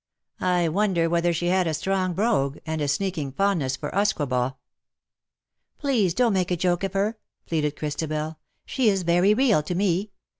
I wonder whether she had a strong brogue, and a sneaking fondness for usquebaugh/'' " Please, don't make a joke of her/' pleaded Christabel ;^' she is very real to me.